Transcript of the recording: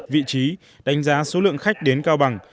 vị trí đánh giá số lượng khách đến cao bằng